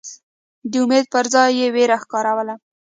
د امید پر ځای یې وېره ښکاروله.